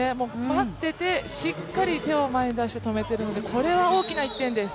待っていて、しっかり手を前に出して止めているので、これは大きな１点です！